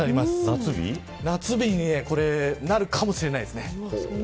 夏日になるかもしれないですね。